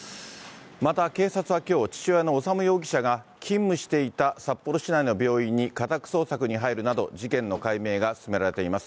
また、警察はきょう、父親の修容疑者が勤務していた札幌市内の病院に家宅捜索に入るなど、事件の解明が進められています。